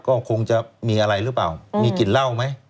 ก็คงจะมีอะไรหรือเปล่ามีกลิ่นเหล้าไหม